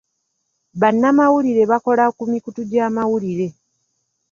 Bannamawulire bakola ku mikutu gy'amawulire.